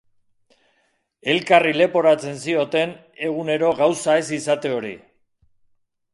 Elkarri leporatzen zioten egunero gauza ez izate hori.